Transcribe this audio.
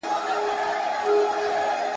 داسي آثار پرېښودل !.